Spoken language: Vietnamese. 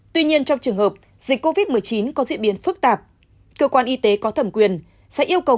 tuy nhiên trong trường hợp dịch covid một mươi chín có diễn biến phức tạp cơ quan y tế có thẩm quyền sẽ yêu cầu